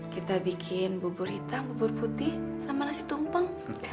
kita bikin bubur hitam bubur putih sama nasi tumpeng